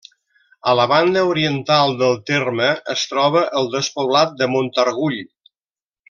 A la banda oriental del terme es troba el despoblat de Montargull.